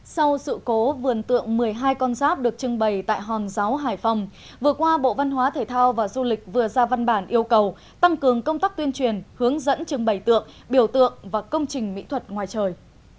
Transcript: sau sự cố vườn tượng một mươi hai con giáp được trưng bày tại hòn giáo hải phòng vừa qua bộ văn hóa thể thao và du lịch vừa ra văn bản yêu cầu tăng cường công tác tuyên truyền hướng dẫn trưng bày tượng biểu tượng và công trình mỹ thuật ngoài trời